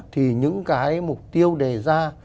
thì những cái mục tiêu đề ra